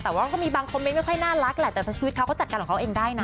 แต่ว่าก็มีบางคอมเมนต์ไม่ค่อยน่ารักแหละแต่ชีวิตเขาก็จัดการของเขาเองได้นะ